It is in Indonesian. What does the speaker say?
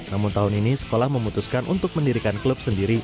namun tahun ini sekolah memutuskan untuk mendirikan klub sendiri